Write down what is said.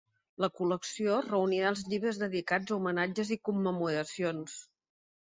La col·lecció reunirà els llibres dedicats a homenatges i commemoracions.